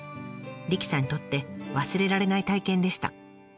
理妃さんにとって忘れられない体験でした。